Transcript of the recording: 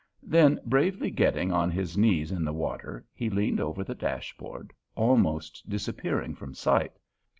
Then bravely getting on his knees in the water, he leaned over the dashboard, almost disappearing from sight.